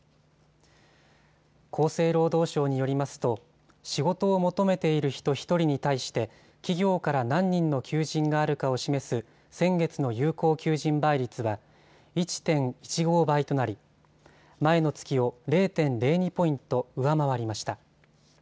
厚生労働省によりますと仕事を求めている人１人に対して企業から何人の求人があるかを示す先月の有効求人倍率は１．１５倍となり前の月を０．０２ポイント上回りました。